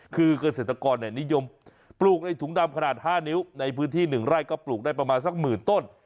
คือเกษตรกรนิยมปลูกในถุงดำขนาด๕นิ้วในพื้นที่๑ไร่ก็ปลูกได้ประมาณสักหมื่นต้น